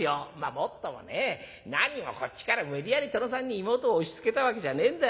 もっともね何もこっちから無理やり殿さんに妹を押しつけたわけじゃねえんだ。